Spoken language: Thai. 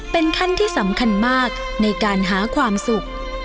เป็นขั้นที่สำคัญมากในการหาความสุข